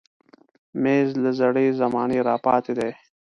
مېز له زړې زمانې راپاتې دی.